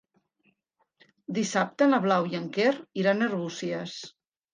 Dissabte na Blau i en Quer iran a Arbúcies.